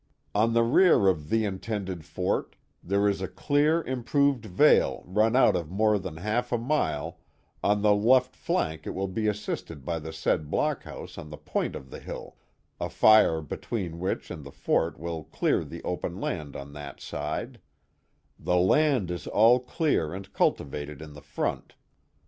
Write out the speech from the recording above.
On the rear of the intended Fort, there is a clear, improved Vale run of more than half a mile, on the left Flank it will be assisted by the said Block house on the point of the Hill, a fire between which and the Fort will clear the open land on that side; the land is all clear and cultivated in the Front.